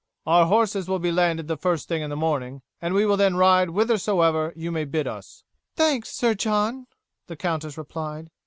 Our horses will be landed the first thing in the morning, and we will then ride whithersoever you may bid us." "Thanks, Sir John," the countess replied.